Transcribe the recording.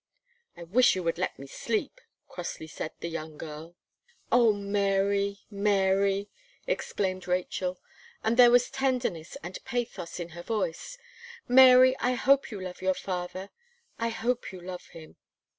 "I wish you would let me sleep," crossly said the young girl. "Oh! Mary Mary!" exclaimed Rachel, and there was tenderness and pathos in her voice; "Mary, I hope you love your father I hope you love him."